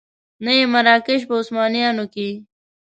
نه یې مراکش په عثمانیانو کې.